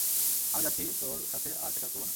আমি যাচ্ছি, তোর সাথে আর ক্যাচাল করবো না।